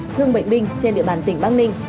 thương bệnh binh trên địa bàn tỉnh bắc ninh